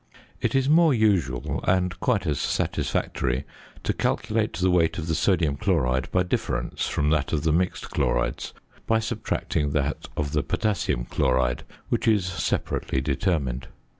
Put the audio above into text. It is more usual, and quite as satisfactory, to calculate the weight of the sodium chloride by difference from that of the mixed chlorides, by subtracting that of the potassium chloride, which is separately determined.